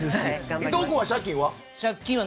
伊藤君は借金は？